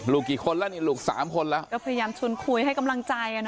กี่คนแล้วนี่ลูกสามคนแล้วก็พยายามชวนคุยให้กำลังใจ